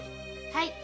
はい。